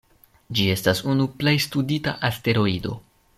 Ĝi estas unu plej studita asteroido.